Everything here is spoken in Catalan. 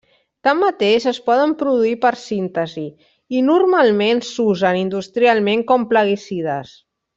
Tanmateix, es poden produir per síntesi i normalment s'usen industrialment com plaguicides.